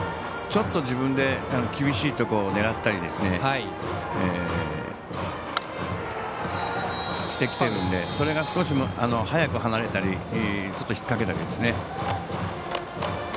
ちょっと自分で厳しいところを狙ったりしてきてるんでそれが少し早く離れたりちょっと引っ掛けたりですね。